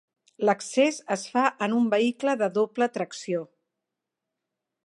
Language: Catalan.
L'accés es fa en un vehicle de doble tracció.